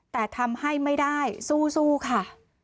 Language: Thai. แต่ทำให้ไม่ได้สู้ค่ะ